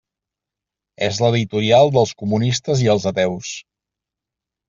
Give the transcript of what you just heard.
És l'editorial dels comunistes i els ateus.